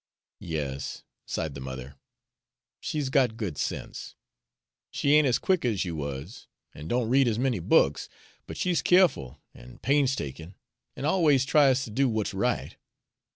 "Yes," sighed the mother, "she's got good sense. She ain't as quick as you was, an' don't read as many books, but she's keerful an' painstakin', an' always tries to do what's right.